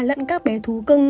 lẫn các bé thú cưng